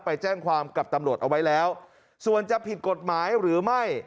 ไปแจ้งความกับตำรวจเอาไว้แล้วส่วนจะผิดกฎหมายหรือไม่